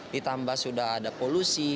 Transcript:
ditambah sudah ada polusi